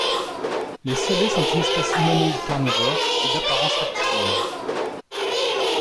Les Selays sont une espèce humanoïde carnivore, d'apparence reptilienne.